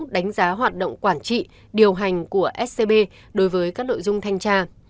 đánh giá hoạt động quản trị điều hành của scb đối với các nội dung thanh tra